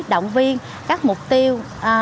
động viên các mục tiêu